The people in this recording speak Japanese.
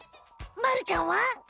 まるちゃんは。